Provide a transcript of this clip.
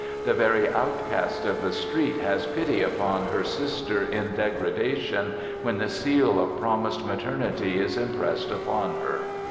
The very outcast of the street has pity upon her sister in degradation when the seal of promised maternity is impressed upon her.